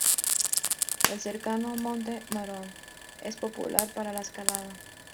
El cercano Monte Maroon es popular para la escalada.